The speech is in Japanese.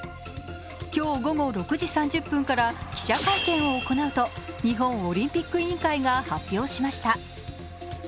今日、午後６時３０分から記者会見を行うと日本オリンピック委員会が発表しました。